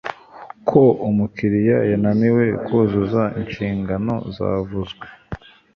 ko umukiriya yananiwe kuzuza inshingano zavuzwe